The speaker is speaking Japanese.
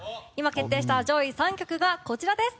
決定した上位３曲がこちらです。